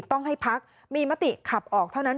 ต้องให้พักมีมติขับออกเท่านั้น